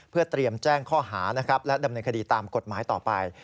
เพื่อเตรียมแจ้งข้อหานะครับและดำเนินคดีตามกฎหมายต่อไป